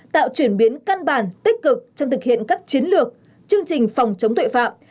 tạo chuyển biến căn bản tích cực trong thực hiện các chiến lược chương trình phòng chống tội phạm